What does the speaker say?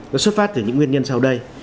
nó xuất phát từ những nguyên nhân sau đây